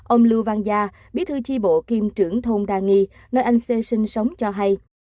ông lưu văn gia bí thư chi bộ kiêm trưởng thôn đa nghi nơi anh xê sinh sống cho hay